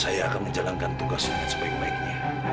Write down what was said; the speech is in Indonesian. saya akan menjalankan tugasmu sebaik baiknya